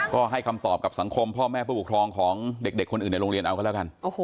ก็ให้คำตอบกับสังคมพ่อแม่ผู้ปกครองของเด็กคนอื่นในโรงเรียนเอาก็แล้วกัน